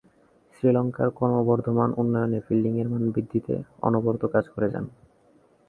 শ্রীলঙ্কার ক্রমবর্ধমান উন্নয়নে ফিল্ডিংয়ের মান বৃদ্ধিতে অনবরত কাজ করে যান।